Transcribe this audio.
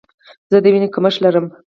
زه د ویني کمښت لرم.